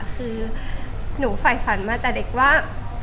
คือหนูไฟฟันมาตั้งแต่เด็กว่า